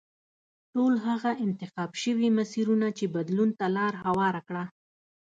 ټول هغه انتخاب شوي مسیرونه چې بدلون ته لار هواره کړه.